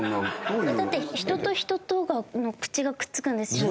だって人と人との口がくっつくんですよね？